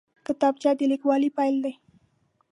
کتابچه د لیکوالۍ پیل دی